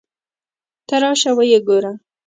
ته راشه ویې ګوره.